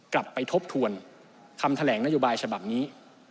กลับไปทบทวนคำแถลงนโยบายฉบับนี้